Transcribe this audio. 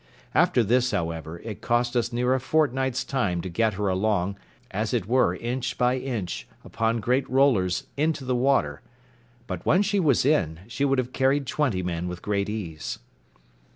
After this, however, it cost us near a fortnight's time to get her along, as it were inch by inch, upon great rollers into the water; but when she was in, she would have carried twenty men with great ease.